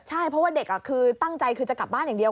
ใช่เพราะว่าเด็กคือตั้งใจคือจะกลับบ้านอย่างเดียว